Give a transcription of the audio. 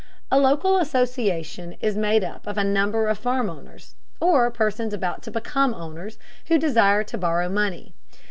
A local association is made up of a number of farm owners, or persons about to become owners, who desire to borrow money.